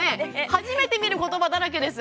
初めて見る言葉だらけです。